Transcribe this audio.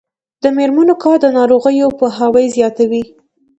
د میرمنو کار د ناروغیو پوهاوی زیاتوي.